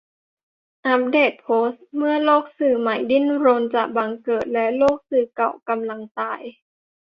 อัปเดตโพสต์ "เมื่อโลกสื่อใหม่ดิ้นรนจะบังเกิด และโลกสื่อเก่ากำลังตาย ?"